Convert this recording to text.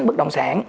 bất động sản